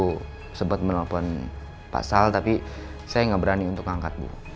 sebetulnya ibu sempat menelepon pak sal tapi saya gak berani untuk ngangkat bu